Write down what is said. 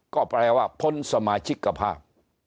ก็แปลว่าพ้นสมาชิกภาพ